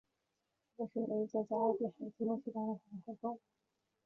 它们是唯一在加勒比海及墨西哥湾生活的海豹。